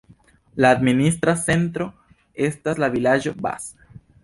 La administra centro estas la vilaĝo Vas.